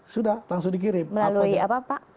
sudah langsung dikirim melalui apa pak